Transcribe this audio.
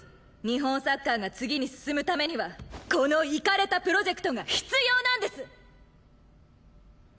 日本サッカーが次に進むためにはこのイカれたプロジェクトが必要なんです！